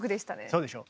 そうでしょう。